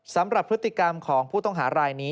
สำหรับพฤติกรรมของผู้ต้องหารายนี้